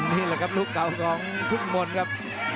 นี่แหละครับลูกเก่าของทุ่งมนต์ครับ